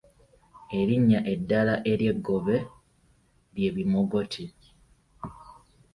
Erinnya eddala ery'eggobe lye bimogoti.